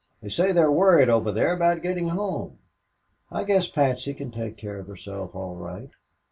They say they're worried over there about getting home. I guess Patsy can take care of herself all right.